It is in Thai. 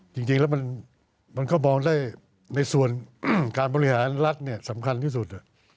จริงแล้วมันก็มองได้ในส่วนการบริหารรัฐเนี่ยสำคัญที่สุด